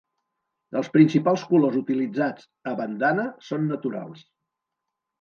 Els principals colors utilitzats a Bandhana són naturals.